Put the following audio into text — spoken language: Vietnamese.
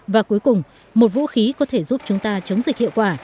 và cuối cùng một vũ khí có thể giúp chúng ta chống dịch hiệu quả